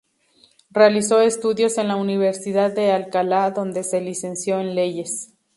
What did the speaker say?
Realizó estudios en la Universidad de Alcalá, donde se licenció en Leyes.